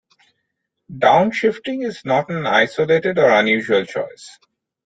Downshifting is not an isolated or unusual choice.